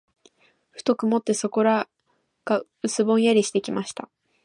ふと曇って、そこらが薄ぼんやりしてきました。